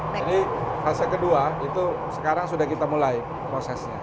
fase kedua itu sekarang sudah kita mulai prosesnya